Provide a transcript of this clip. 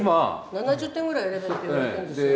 ７０点ぐらい選べって言われたんですよね。